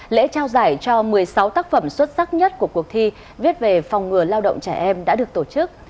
lễ trao giải cho một mươi sáu tác phẩm xuất sắc nhất của cuộc thi viết về phòng ngừa lao động trẻ em đã được tổ chức